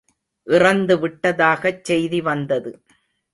இறந்துவிட்டதாகச் செய்தி வந்தது.